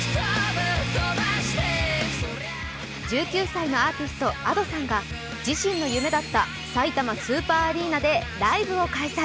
１９歳のアーティスト、Ａｄｏさんが自身の夢だったさいたまスーパーアリーナでライブを開催。